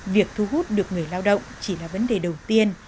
việc thu hút được người lao động chỉ là vấn đề đầu tiên